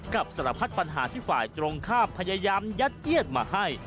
สารพัดปัญหาที่ฝ่ายตรงข้ามพยายามยัดเยียดมาให้